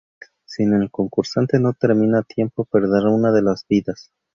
Si el concursante no termina a tiempo perderá una de las vidas.